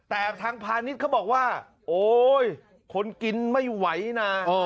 แต่ทางพาณิชย์เขาบอกว่าโอ๊ยคนกินไม่ไหวนะ